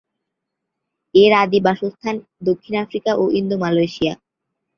এর আদি বাসস্থান দক্ষিণ আফ্রিকা ও ইন্দো-মালয়েশিয়া।